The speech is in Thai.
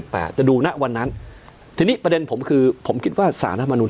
จะดูนะวันนั้นทีนี้ประเด็นผมคือผมคิดว่าสารรัฐมนุน